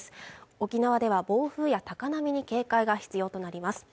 沖縄では暴風や高波に警戒が必要となります